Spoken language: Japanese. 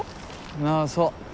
ああそう。